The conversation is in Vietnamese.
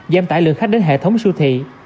giam tải lượng khách đến hệ thống siêu thị